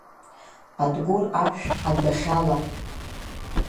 Адгәыр ашә адәахьала.